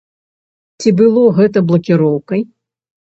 Ці было гэта блакіроўкай?